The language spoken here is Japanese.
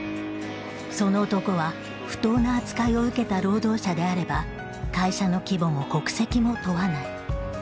その男は不当な扱いを受けた労働者であれば会社の規模も国籍も問わない。